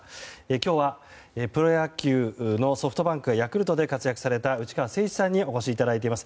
今日はプロ野球のソフトバンクヤクルトで活躍された内川聖一さんにお越しいただいております。